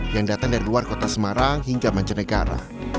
yang datang dari luar kota semarang hingga mancanegara